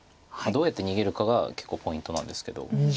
どうやって逃げるかが結構ポイントなんですけど。